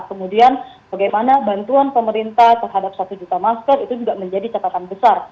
kemudian bagaimana bantuan pemerintah terhadap satu juta masker itu juga menjadi catatan besar